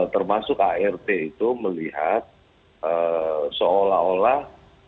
termasuk art itu melihat seolah olah